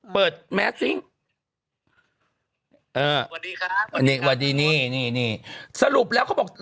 เปิดเอ่อสวัสดีครับสวัสดีนี่นี่นี่สรุปแล้วเขาบอก